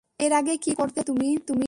এর আগে কী করতে তুমি?